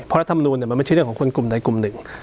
เพราะรัฐมนูลมันไม่ใช่เรื่องของคนกลุ่มใดกลุ่มหนึ่ง